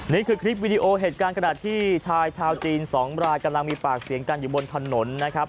นี่คือคลิปวิดีโอเหตุการณ์ขณะที่ชายชาวจีนสองรายกำลังมีปากเสียงกันอยู่บนถนนนะครับ